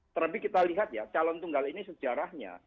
terlebih kita lihat ya calon tunggal ini sejarahnya